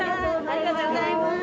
ありがとうございます。